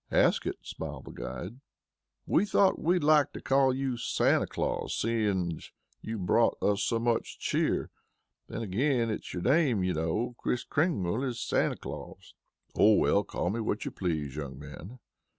"Ask it," smiled the guide. "We thought we'd like to call you Santa Claus, seeing you've brought us so much cheer. Then again, it's your name you know. Kris Kringle is Santa Claus." "Oh, well, call me what you please, young men."